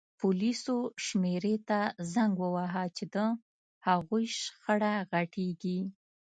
پولیسو شمېرې ته زنګ ووهه چې د هغوی شخړه غټیږي